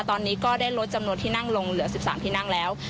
ตอนนี้ก็ได้ลดจำนวนที่นั่งลงเหลือ๑๓ที่นั่งแล้ว